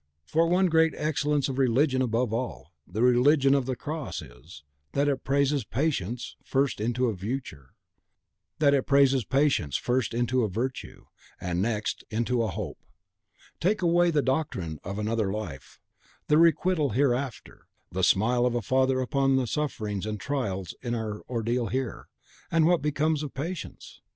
For one great excellence of religion above all, the Religion of the Cross is, that it raises PATIENCE first into a virtue, and next into a hope. Take away the doctrine of another life, of requital hereafter, of the smile of a Father upon our sufferings and trials in our ordeal here, and what becomes of patience?